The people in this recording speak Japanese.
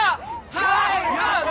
はい！